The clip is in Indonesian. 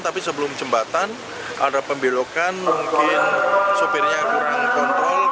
tapi sebelum jembatan ada pembelokan mungkin sopirnya kurang kontrol